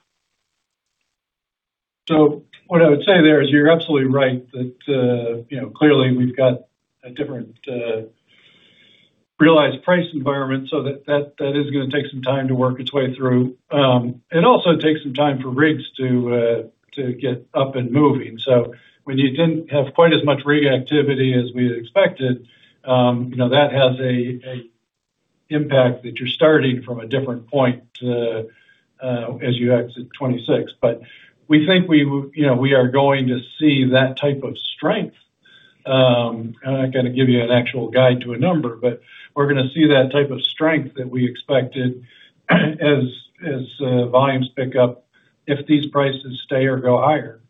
What I would say there is you're absolutely right that, you know, clearly we've got a different realized price environment so that is going to take some time to work its way through. It also takes some time for rigs to get up and moving. When you didn't have quite as much rig activity as we had expected, you know, that has a impact that you're starting from a different point as you exit 2026. We think we, you know, we are going to see that type of strength. I am not going to give you an actual guide to a number, but we are going to see that type of strength that we expected as volumes pick up if these prices stay or go higher.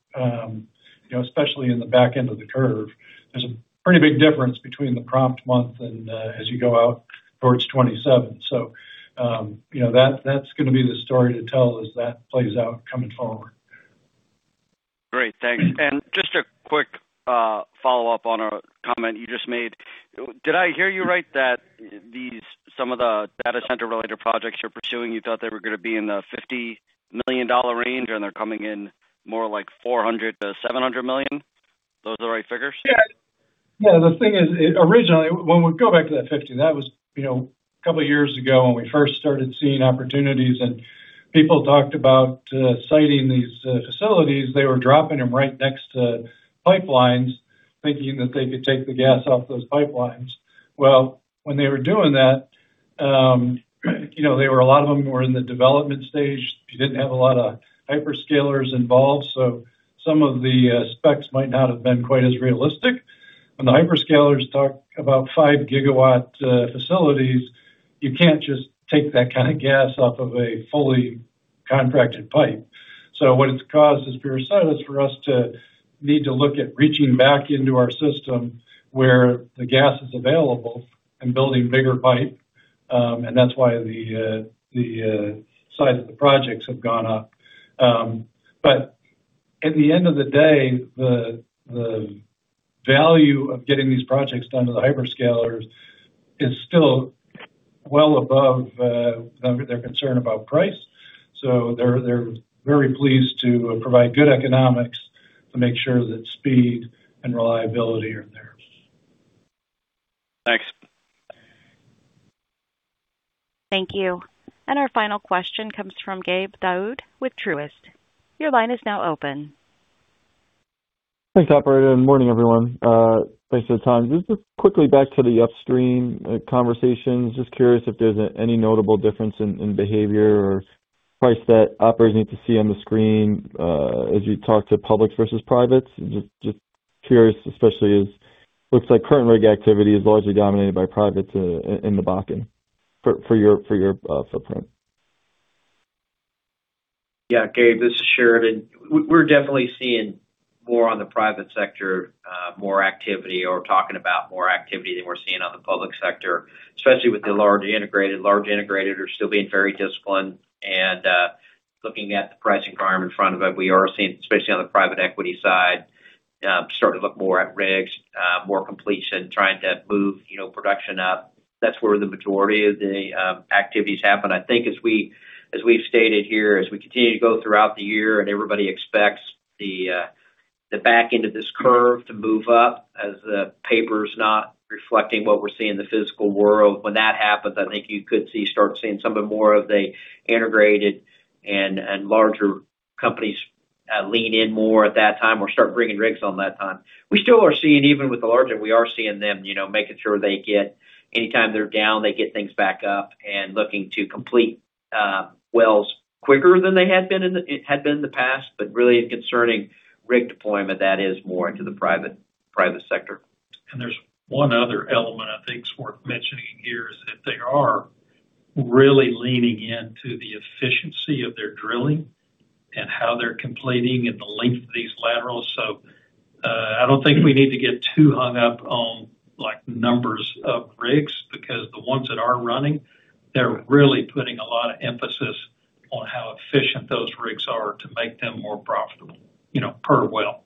You know, especially in the back end of the curve, there's a pretty big difference between the prompt month and as you go out towards 2027. You know, that's gonna be the story to tell as that plays out coming forward. Great. Thanks. Just a quick follow-up on a comment you just made. Did I hear you right that some of the data center-related projects you're pursuing, you thought they were gonna be in the $50 million range, and they're coming in more like $400 million-$700 million? Those are the right figures? Yeah. Yeah. The thing is originally, when we go back to that 50, that was, you know, a couple years ago when we first started seeing opportunities and people talked about siting these facilities. They were dropping them right next to pipelines, thinking that they could take the gas off those pipelines. Well, when they were doing that, you know, a lot of them were in the development stage. You didn't have a lot of hyperscalers involved, so some of the specs might not have been quite as realistic. When the hyperscalers talk about five gigawatt facilities, you can't just take that kind of gas off of a fully contracted pipe. What it's caused is pure silence for us to need to look at reaching back into our system where the gas is available and building bigger pipe, and that's why the size of the projects have gone up. At the end of the day, the value of getting these projects done to the hyperscalers is still well above their concern about price. They're very pleased to provide good economics to make sure that speed and reliability are there. Thanks. Thank you. Our final question comes from Gabe Daoud with Truist. Your line is now open. Thanks, operator. Morning, everyone. Thanks to the team. Just quickly back to the upstream conversations. Just curious if there's any notable difference in behavior or price that operators need to see on the screen as you talk to public versus privates. Just curious, especially as looks like current rig activity is largely dominated by privates in the Bakken for your footprint. Gabe, this is Sheridan Swords. We're definitely seeing more on the private sector, more activity or talking about more activity than we're seeing on the public sector, especially with the large integrated. Large integrated are still being very disciplined and looking at the price environment in front of it. We are seeing, especially on the private equity side, starting to look more at rigs, more completion, trying to move, you know, production up. That's where the majority of the activities happen. I think as we, as we've stated here, as we continue to go throughout the year and everybody expects the back end of this curve to move up as the paper's not reflecting what we're seeing in the physical world. When that happens, I think you could see, start seeing some of more of the integrated and larger companies lean in more at that time or start bringing rigs on that time. We still are seeing even with the larger, we are seeing them, you know, making sure they get anytime they're down, they get things back up and looking to complete wells quicker than it had been in the past. Really concerning rig deployment, that is more into the private sector. There's one other element I think is worth mentioning here is that they are really leaning into the efficiency of their drilling and how they're completing and the length of these laterals. I don't think we need to get too hung up on, like, numbers of rigs because the ones that are running, they're really putting a lot of emphasis on how efficient those rigs are to make them more profitable, you know, per well.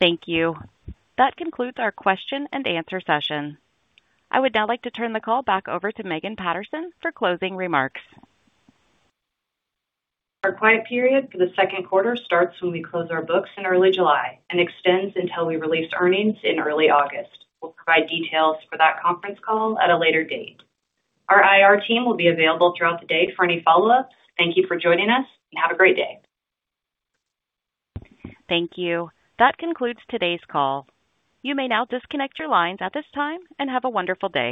Thank you. That concludes our question and answer session. I would now like to turn the call back over to Megan Patterson for closing remarks. Our quiet period for the second quarter starts when we close our books in early July and extends until we release earnings in early August. We'll provide details for that conference call at a later date. Our IR team will be available throughout the day for any follow-ups. Thank you for joining us, and have a great day. Thank you. That concludes today's call. You may now disconnect your lines at this time, and have a wonderful day.